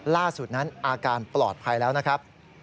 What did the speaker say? ล่าสุดนั้นอาการปลอดภัยแล้วนะครับ